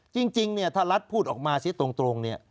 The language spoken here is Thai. จริงเนี่ยถ้ารัฐพูดออกมาเสียตรงเนี่ย